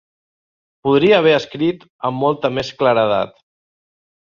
Podria haver-se escrit amb molta més claredat.